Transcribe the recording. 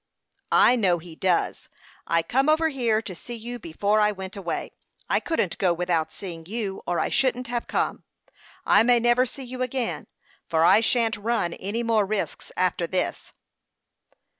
"I know he does. I come over here to see you before I went away. I couldn't go without seeing you, or I shouldn't have come. I may never see you again, for I shan't run any more risks after this."